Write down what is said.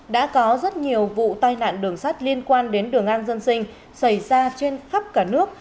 đã có rất nhiều vụ tai nạn đường sắt liên quan đến đường an dân sinh xảy ra trên khắp cả nước